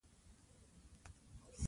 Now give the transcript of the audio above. دوی د بڼې په اړه بحث کړی.